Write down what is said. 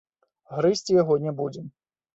Грызці яго не будзем.